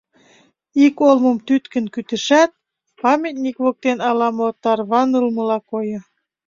Ик олмыш тӱткын кӱтышат, памятник воктен ала-мо тарванылмыла койо.